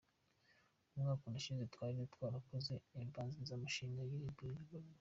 Umwaka urashize, twari twarakoze imbanzirizamushinga y’iri barura.